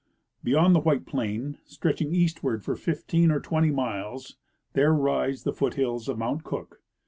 Beyond the white plain, stretching eastward for fifteen or twenty miles, there rise the foothills of Mount Cook.